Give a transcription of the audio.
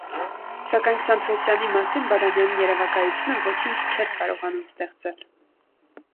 Սակայն Սանթրոսյանի մասին Բադամյանի երևակայությոլնր ոչինչ չէր կարողանում ստեղծել.